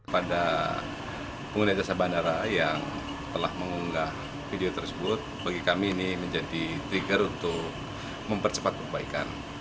pada pengguna jasa bandara yang telah mengunggah video tersebut bagi kami ini menjadi trigger untuk mempercepat perbaikan